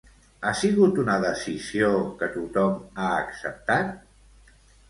Ha sigut una decisió que tothom ha acceptat?